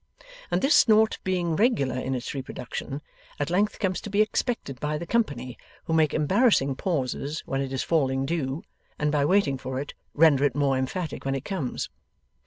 And this snort being regular in its reproduction, at length comes to be expected by the company, who make embarrassing pauses when it is falling due, and by waiting for it, render it more emphatic when it comes.